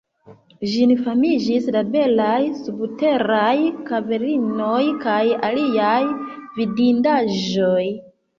Ĝin famigis la belaj subteraj kavernoj kaj aliaj vidindaĵoj.